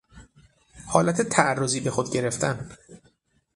حالت تعرضی به خود گرفتن